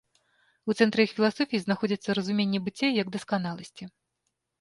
У цэнтры іх філасофіі знаходзіцца разуменне быцця як дасканаласці.